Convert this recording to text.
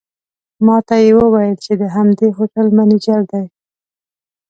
ماته یې وویل چې د همدې هوټل منیجر دی.